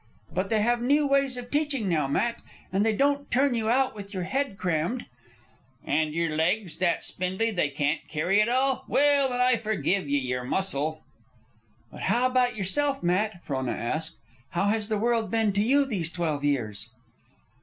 "But they have new ways of teaching, now, Matt, and they don't turn you out with your head crammed " "An' yer legs that spindly they can't carry it all! Well, an' I forgive ye yer muscle." "But how about yourself, Matt?" Frona asked. "How has the world been to you these twelve years?"